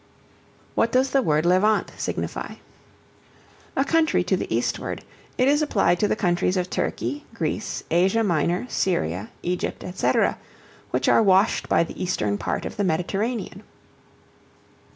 What does the word Levant signify? A country to the eastward. It is applied to the countries of Turkey, Greece, Asia Minor, Syria, Egypt, &c., which are washed by the eastern part of the Mediterranean.